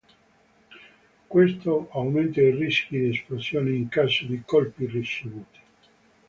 Questo aumenta i rischi di esplosione in caso di colpi ricevuti.